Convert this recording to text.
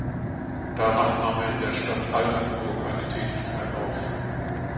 Danach nahm er in der Stadt Altenburg eine Tätigkeit auf.